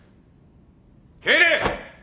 敬礼！